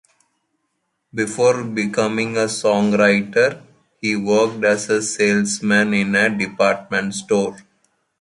Before becoming a songwriter, he worked as a salesman in a department store.